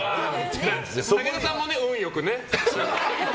武田さんも運良くね。